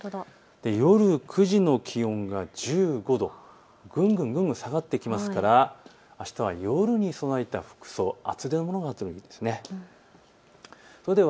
夜９時の気温が１５度、ぐんぐん下がっていきますからあしたは夜に備えた服装、厚手のものがあったほうがいいです。